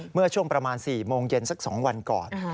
เมื่อช่วงประมาณ๔โมงเย็นสัก๒วันก่อน